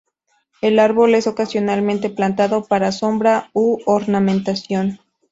El árbol es ocasionalmente plantado para sombra u ornamentación.